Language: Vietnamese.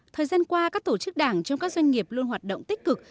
thời gian qua các tổ chức đảng trong các doanh nghiệp luôn hoạt động tích cực